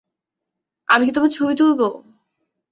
আমি কি তোমার ছবি তুলবো?